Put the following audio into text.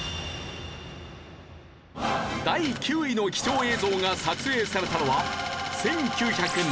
第９位の貴重映像が撮影されたのは。